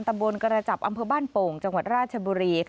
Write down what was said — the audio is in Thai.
ตำบลกระจับอำเภอบ้านโป่งจังหวัดราชบุรี